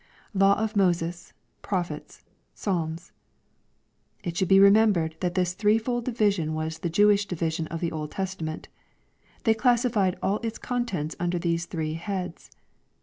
[Law of Mbses..,prophets..,Psalm8.] It should be remembered that this threefold division was the Jewish division of the Old Testament They classed all its contents under these three heads.